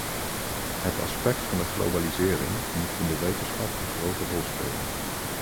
Het aspect van de globalisering moet in de wetenschap een grote rol spelen.